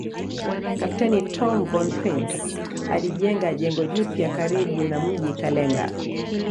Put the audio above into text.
Kapteni Tom von Prince alijenga jengo jipya karibu na mji Kalenga